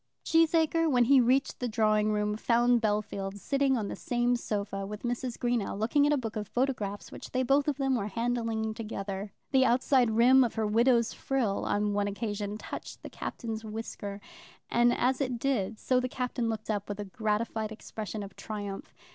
Cheesacre, when he reached the drawing room, found Bellfield sitting on the same sofa with Mrs. Greenow looking at a book of photographs which they both of them were handling together. The outside rim of her widow's frill on one occasion touched the Captain's whisker, and as it did so the Captain looked up with a gratified expression of triumph.